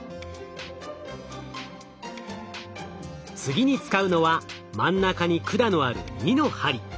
次に使うのは真ん中に管のある２の針。